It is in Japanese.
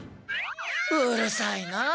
うるさいなあ。